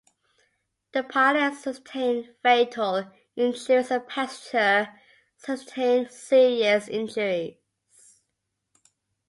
The pilot sustained fatal injuries and the passenger sustained serious injuries.